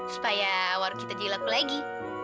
supaya warung kita dilapu lagi